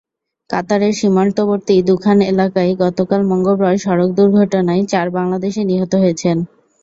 কাতারের সীমান্তবর্তী দুখান এলাকায় গতকাল মঙ্গলবার সড়ক দুর্ঘটনায় চার বাংলাদেশি নিহত হয়েছেন।